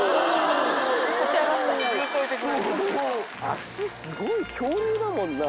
足すごい恐竜だもんな